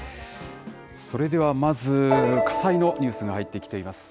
それではまず、火災のニュースが入ってきています。